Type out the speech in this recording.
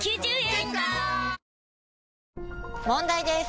⁉問題です！